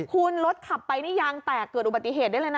คุณรถขับไปนี่ยางแตกเกิดอุบัติเหตุได้เลยนะ